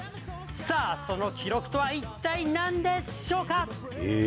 さあ、その記録とは一体なんでしょうか。